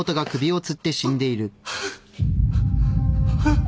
あっ